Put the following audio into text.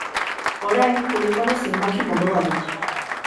Orain, telefono zenbaki mordoa dut.